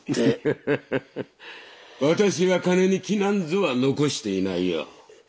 フフフフ私は金に気なんぞは残していないよ。